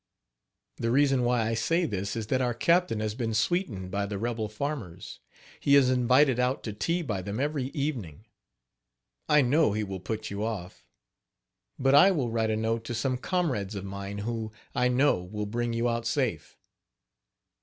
The reason why I say this is that our captain has been sweetened by the rebel farmers. He is invited out to tea by them every evening. I know he will put you off. But I will write a note to some comrades of mine who, I know, will bring you out safe.